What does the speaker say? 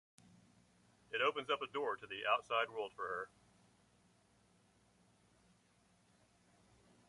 It opens up a door to the outside world for her.